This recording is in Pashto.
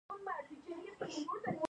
د قران کریم تلاوت په هر کور کې کیږي.